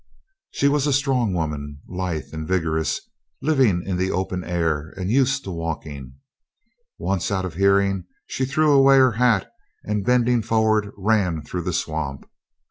She was a strong woman, lithe and vigorous, living in the open air and used to walking. Once out of hearing she threw away her hat and bending forward ran through the swamp.